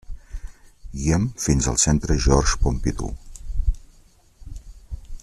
Guia'm fins al centre George Pompidou!